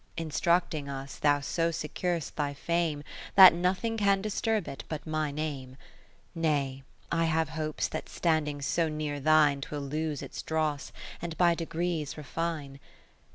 Instructing us thou so secur'st thy fame. That nothing can disturb it but my name ; 30 Nay, I have hopes that standing so near thine 'Twill lose its dross, and by degrees refine.